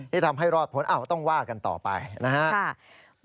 ที่ทำให้รอดผลต้องว่ากันต่อไปนะครับ